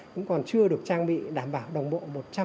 cũng còn chưa được trang bị đảm bảo đồng bộ một trăm linh